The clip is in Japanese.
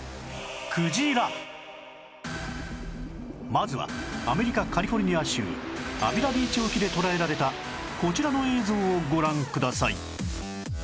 まずはアメリカカリフォルニア州アビラビーチ沖で捉えられたこちらの映像をご覧ください